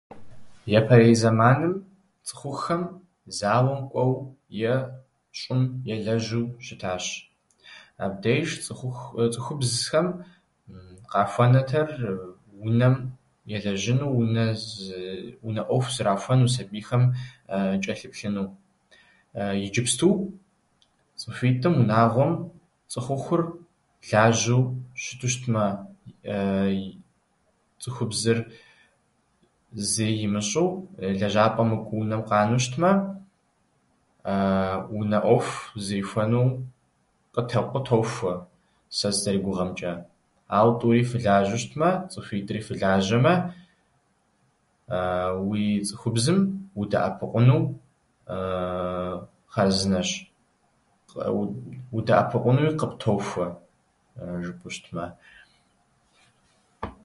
Япэрей зэманхэм цӏыхухъухэм зауэм кӏуэуэ е щӏым елэжьу щытащ. Абдеж цӏыхуху- цӏыхубзхэм къахуэнэтэр унэм елэжьыну, унэ ззы- унэ ӏуэху зэрахуэну, сабийхэм чӏэлъыплъыну. Иджыпсту цӏыхуитӏым унагъуэм цӏыхухъур лажьэу щыту щытмэ, цӏыхубзыр зыри имыщӏэу, лэжьапӏэм мыкӏуэу унэм къанэу щытмэ, унэ ӏуэху зэрихуэну къытэ- къытохуэ, сэ сызэригугъэмкӏэ. Ауэ тӏури фылажьэу щытмэ, цӏыхуитӏри фалажьэмэ, уи цӏыхубзым удэӏэпыкъуну хъарзынэщ, къы- удэӏэпыкъунууи къыптохуэ жыпӏэу щытмэ.